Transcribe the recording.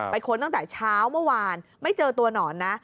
ค้นตั้งแต่เช้าเมื่อวานไม่เจอตัวหนอนนะ